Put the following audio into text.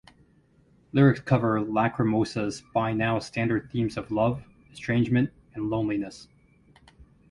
Lyrics cover Lacrimosa's by-now standard themes of love, estrangement and loneliness.